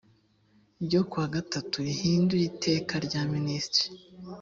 ryo ku wa gatatu rihindura iteka rya minisitiri